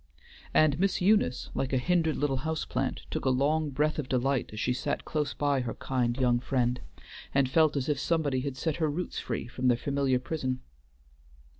And Miss Eunice, like a hindered little house plant, took a long breath of delight as she sat close by her kind young friend, and felt as if somebody had set her roots free from their familiar prison.